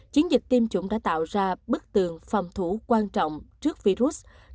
chiến dịch tiêm chủng đã tạo ra bức tường phòng thủ quan trọng trước virus nữ hoàng elizabeth